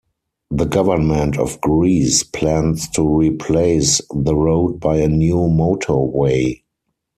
The government of Greece plans to replace the road by a new motorway.